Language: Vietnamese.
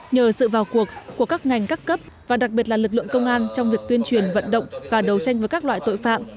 nhờ sự vào cuộc của các ngành các cấp và đặc biệt là lực lượng công an trong việc tuyên truyền vận động và đấu tranh với các loại tội phạm